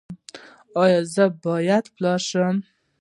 ایا زه باید پلار شم؟